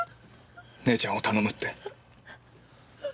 姉ちゃんを頼むって。